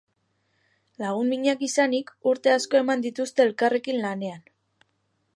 Lagun minak izanik, urte asko eman dituzte elkarrekin lanean.